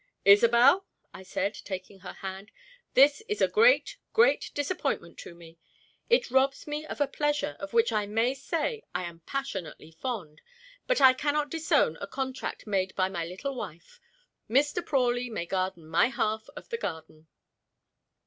"Isobel," I said, taking her hand, "this is a great, great disappointment to me. It robs me of a pleasure of which I may say I am passionately fond, but I cannot disown a contract made by my little wife. Mr. Prawley may garden my half of the garden."